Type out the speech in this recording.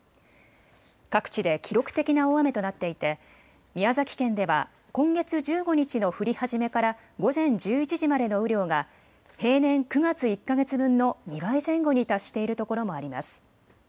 各地で記録的な大雨となっていて宮崎県では今月１５日の降り始めから午前１１時までの雨量が平年９月１か月分の２倍前後に達しているところもあります。